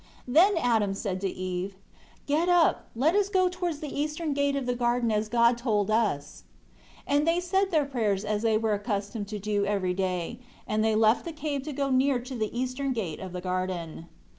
14 Then Adam said to Eve, "Get up, let us go towards the eastern gate of the garden as God told us." 15 And they said their prayers as they were accustomed to do every day; and they left the cave to go near to the eastern gate of the garden.